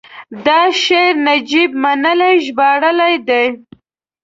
دا شعر نجیب منلي ژباړلی دی: